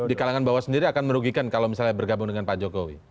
di kalangan bawah sendiri akan merugikan kalau misalnya bergabung dengan pak jokowi